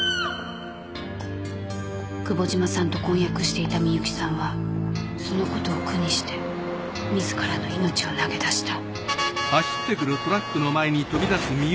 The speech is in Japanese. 久保島さんと婚約していた深雪さんはそのことを苦にして自らの命を投げ出した